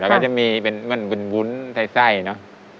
แล้วก็จะมีเป็นเหมือนวุ้นไส้เนอะ